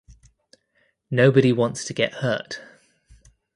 Nobody wants to get hurt.